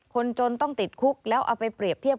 คนจนต้องติดคุกแล้วเอาไปเปรียบเทียบ